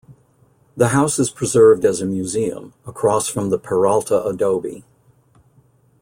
The house is preserved as a museum, across from the Peralta Adobe.